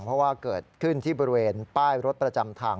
เพราะว่าเกิดขึ้นที่บริเวณป้ายรถประจำทาง